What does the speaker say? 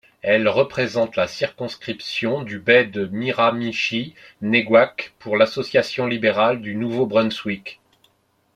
Elle représente la circonscription du Baie-de-Miramichi—Neguac pour l'Association libérale du Nouveau-Brunswick.